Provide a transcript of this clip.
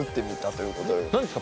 何ですか？